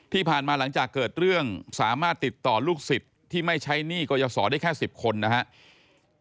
ที่ผ่านมาหลังจากเกิดเรื่องสามารถติดต่อลูกศิษย์ที่ไม่ใช้หนี้กรยาศรได้แค่๑๐คนนะครับ